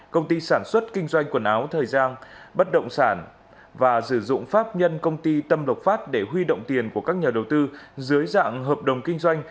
công ty sản xuất kinh doanh quần áo thời gian bất động sản và sử dụng pháp nhân công ty tâm lộc phát để huy động tiền của các nhà đầu tư dưới dạng hợp đồng kinh doanh